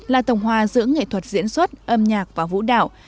là tổng hòa giữa nghệ thuật diễn xuất âm nhạc và vũ đạo